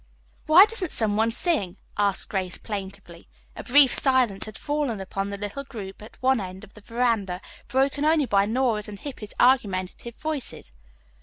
"Why doesn't some one sing?" asked Grace plaintively. A brief silence had fallen upon the little group at one end of the veranda, broken only by Nora's and Hippy's argumentative voices.